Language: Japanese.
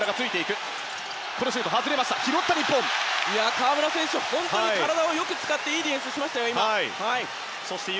河村選手、本当に体をよく使っていいディフェンスしましたよ。